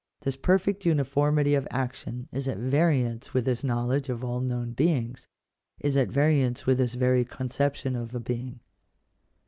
This perfect uniformity of action is at variance with his knowledge of all known beings — is at variance with his very conception of a being.